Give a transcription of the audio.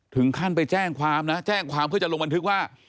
ถึงขั้นไปแจ้งความนะแจ้งความเพื่อจะลงบันทึกว่า